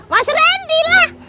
mas randy lah